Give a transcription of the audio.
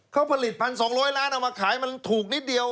เขาผลิต๑๒๐๐ล้านเอามาขายมันถูกนิดเดียว